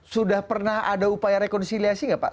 sudah pernah ada upaya rekonsiliasi nggak pak